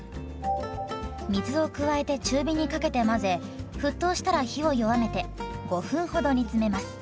水を加えて中火にかけて混ぜ沸騰したら火を弱めて５分ほど煮詰めます。